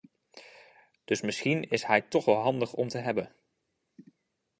Dus misschien is hij toch wel handig om te hebben.